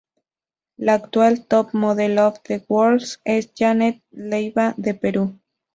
La actual Top Model Of The World es Janet Leyva de Perú.